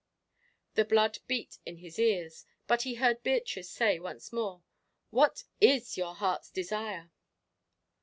The blood beat in his ears, but he heard Beatrice say, once more, "What is your heart's desire?"